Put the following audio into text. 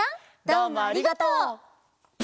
どうもありがとう！